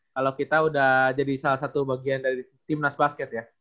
kalau kita udah jadi salah satu bagian dari timnas basket ya